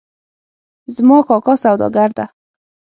زما کاکا سوداګر ده